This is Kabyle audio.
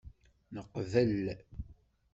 Neqbel.